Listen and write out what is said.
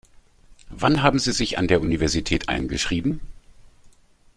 Wann haben Sie sich an der Universität eingeschrieben?